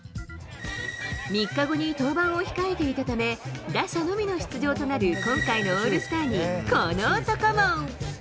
３日後に登板を控えていたため、打者のみの出場となる今回のオールスターに、この男も。